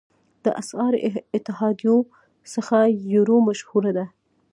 د اسعاري اتحادیو څخه یورو مشهوره ده.